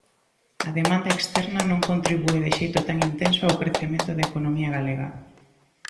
A demanda externa non contribúe de xeito tan intenso ao crecemento da economía galega.